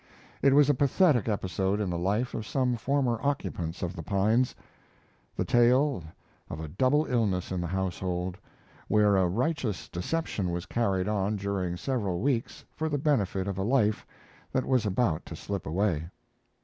It was a pathetic episode in the life of some former occupants of The Pines the tale of a double illness in the household, where a righteous deception was carried on during several weeks for the benefit of a life that was about to slip away.